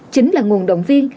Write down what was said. chính là nguồn động viên